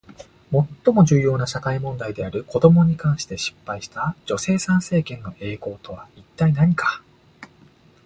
最も重要な社会問題である子どもに関して失敗した女性参政権の栄光とは一体何か？